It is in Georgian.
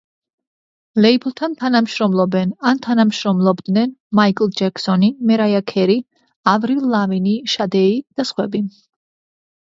ლეიბლთან თანამშრომლობენ ან თანამშრომლობდნენ: მაიკლ ჯექსონი, მერაია კერი, ავრილ ლავინი, შადეი და სხვები.